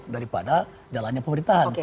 daripada jalannya pemerintahan